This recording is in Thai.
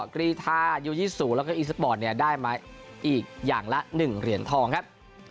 กรีทายู๒๐แล้วก็อีสปอร์ตเนี่ยได้มาอีกอย่างละ๑เหรียญทองครับ